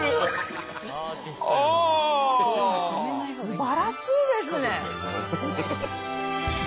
すばらしいですね。